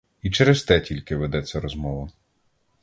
І через те тільки ведеться розмова.